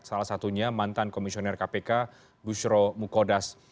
salah satunya mantan komisioner kpk bushro mukodas